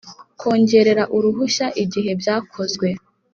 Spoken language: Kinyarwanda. Kongerera uruhushya igihe byakozwe